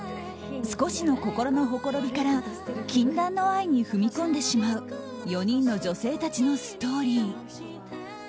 少しの心のほころびから禁断の愛に踏み込んでしまう４人の女性たちのストーリー。